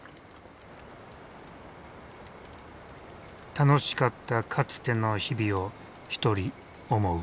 楽しかったかつての日々を一人思う。